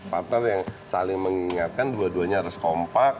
partner yang saling mengingatkan dua duanya harus kompak